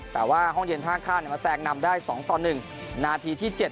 แต่ว่าห้องเย็น๕คล่ามเนี่ยมาแสงนำได้๒ตน๑นาทีที่๗